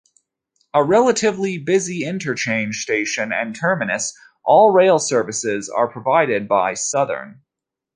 A relatively busy interchange station and terminus, all rail services are provided by Southern.